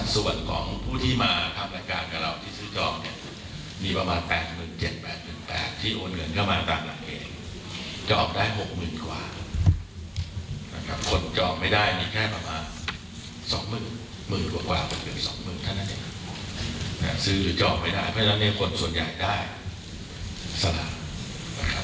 ซื้อจองไม่ได้เพราะฉะนั้นคนส่วนใหญ่ได้สลับ